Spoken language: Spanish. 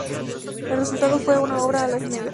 El resultado fue esta obra: Alas negras.